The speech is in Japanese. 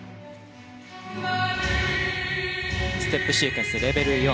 ステップシークエンスレベル４。